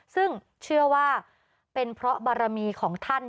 ซึ่งเชื่อว่าเป็นเพราะบารมีของท่าน